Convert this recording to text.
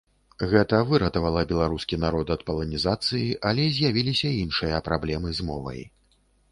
Гэта выратавала беларускі народ ад паланізацыі, але з'явіліся іншыя праблемы з мовай.